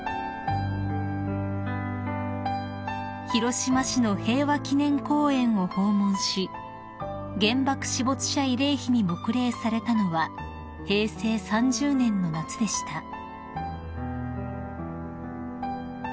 ［広島市の平和記念公園を訪問し原爆死没者慰霊碑に黙礼されたのは平成３０年の夏でした］